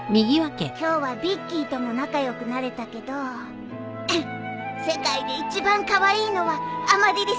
今日はビッキーとも仲良くなれたけど世界で一番カワイイのはアマリリスよ。